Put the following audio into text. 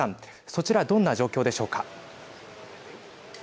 そちら、どんな状況でしょうか。